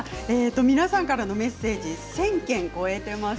皆さんからのメッセージ１０００件を超えています。